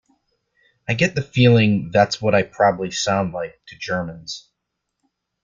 I get the feeling that's what I probably sound like to Germans.